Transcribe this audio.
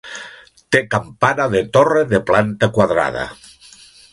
Té campana de torre de planta quadrada.